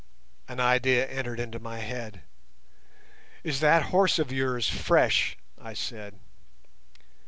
An idea entered into my head. "Is that horse of yours fresh?" I said.